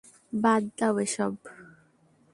বাদ দাও এসব।